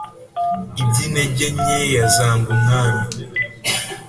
iby'intege nkeya zanga umwami!